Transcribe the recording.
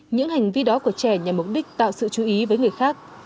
những hành vi đó của trẻ nhằm mục đích tạo sự chú ý với người khác